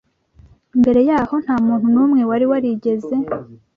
Mbere yaho, nta muntu n’umwe wari warigeze